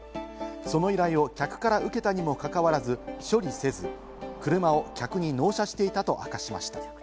その依頼を客から受けたにもかかわらず、処理せず車を客に納車していたと明かしました。